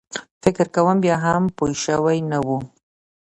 فکر کوم بیا هم پوی شوی نه و.